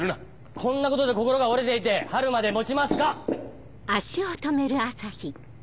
こんなことで心が折れていて春まで持ちますか？